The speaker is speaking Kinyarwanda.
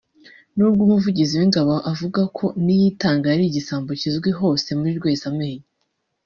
n’ubwo Umuvugizi w’Ingabo avuga ko Niyitanga yari igisambo kizwi hose muri Rwezamenyo